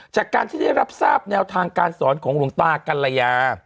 จากการที่ได้รับทราบแนวทางการสอนของหลวงตากัลยา